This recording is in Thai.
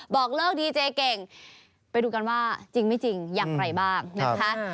บอกเลิกดีเจเก่งไปดูกันว่าจริงไม่จริงอย่างไรบ้างนะคะ